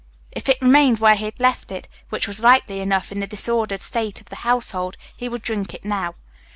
If it remained where he had left it, which was likely enough in the disordered state of the household, he would drink it now.